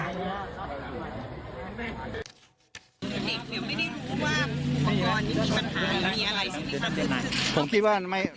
เด็กเดี๋ยวไม่ได้รู้ว่าอุปกรณ์นี้มีปัญหามีอะไรสินะครับ